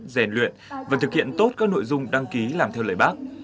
rèn luyện và thực hiện tốt các nội dung đăng ký làm theo lời bác